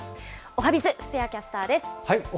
おはＢｉｚ、布施谷キャスターです。